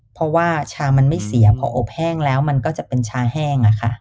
เพราะว่าชามันไม่เสียพออบแห้งแล้วมันก็จะเป็นชาแห้ง